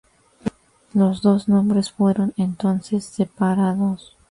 Los dos nombres fueron entonces separados.